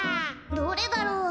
どれだろう。